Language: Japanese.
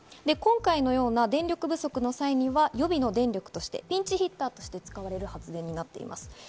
今回のような電力不足の際には予備の電力としてピンチヒッターとして使われる発電になっています。